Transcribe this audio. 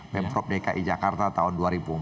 pemprov dki jakarta tahun dua ribu empat belas